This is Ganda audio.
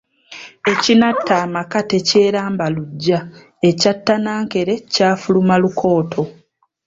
Ekinatta amaka tekyeramba luggya, ekyatta Nnankere kyafuluma lukooto.